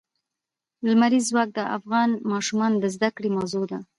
لمریز ځواک د افغان ماشومانو د زده کړې موضوع ده.